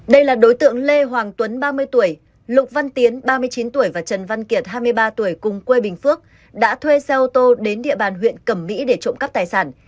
đây là đối tượng lê hoàng tuấn ba mươi tuổi lục văn tiến ba mươi chín tuổi và trần văn kiệt hai mươi ba tuổi cùng quê bình phước đã thuê xe ô tô đến địa bàn huyện cẩm mỹ để trộm cắp tài sản